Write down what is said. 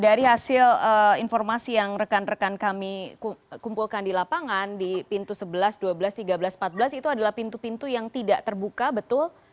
dari hasil informasi yang rekan rekan kami kumpulkan di lapangan di pintu sebelas dua belas tiga belas empat belas itu adalah pintu pintu yang tidak terbuka betul